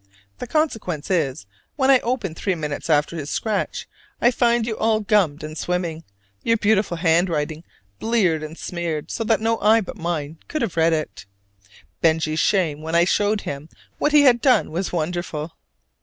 The consequence is, when I open three minutes after his scratch, I find you all ungummed and swimming, your beautiful handwriting bleared and smeared, so that no eye but mine could have read it. Benjy's shame when I showed him what he had done was wonderful.